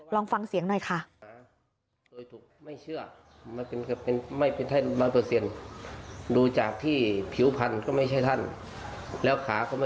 ลองฟังเสียงหน่อยค่ะ